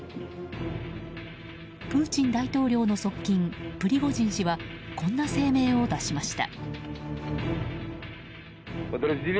プーチン大統領の側近プリゴジン氏はこんな声明を出しました。